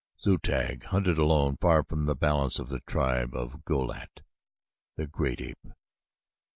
Zu tag hunted alone far from the balance of the tribe of Go lat, the great ape.